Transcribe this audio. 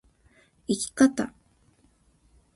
生き方